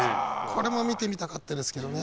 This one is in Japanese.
これも見てみたかったですけどね。